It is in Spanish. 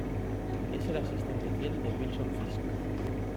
Es el asistente fiel de Wilson Fisk.